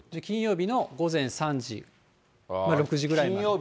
金曜日の午前３時、６時ぐらいまで。